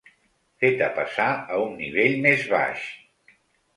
Feta passar a un nivell més baix.